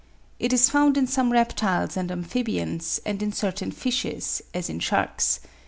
It is found in some reptiles and amphibians, and in certain fishes, as in sharks.